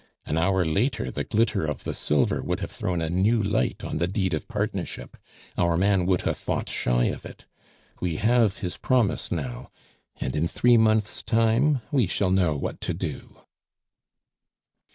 "An hour later the glitter of the silver would have thrown a new light on the deed of partnership. Our man would have fought shy of it. We have his promise now, and in three months' time we shall know what to do."